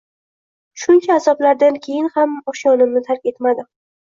Shuncha azoblardan keyin ham oshyonimni tark etmadim